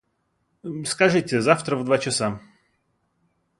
Скажите, завтра в два часа.